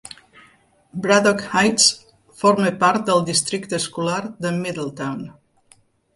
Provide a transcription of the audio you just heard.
Braddock Heights forma part del districte escolar de Middletown.